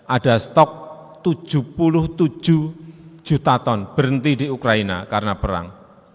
ada stok tujuh puluh tujuh juta ton berhenti di ukraina karena perang